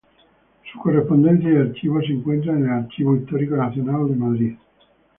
Su correspondencia y archivo se encuentran en el Archivo Histórico Nacional en Madrid.